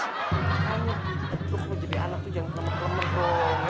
kayaknya bi lo kalo jadi anak tuh jangan kelemar kelemar dong ya